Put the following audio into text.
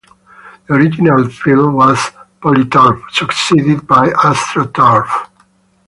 The original field was Poly-Turf, succeeded by AstroTurf.